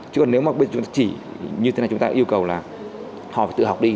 chứ còn nếu mà chúng ta chỉ như thế này chúng ta yêu cầu là họ phải tự học đi